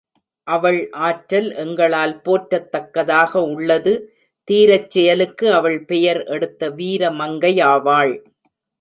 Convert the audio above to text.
அவள் ஆற்றல் எங்களால் போற்றத் தக்கதாக உள்ளது தீரச் செயலுக்கு அவள் பெயர் எடுத்த வீர மங்கையாவாள்.